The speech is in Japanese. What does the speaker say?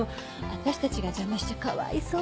私たちが邪魔しちゃかわいそう。